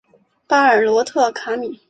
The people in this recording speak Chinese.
巴尔罗特卡米。